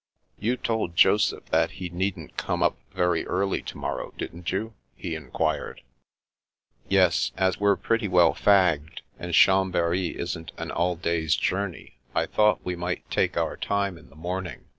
" You told Joseph that he needn't come up very early to morrow, didn't you ?" he enquired. " Yes, as we're pretty well fagged, and Chambery isn't an all day's journey, I thought we might take our time in the morning.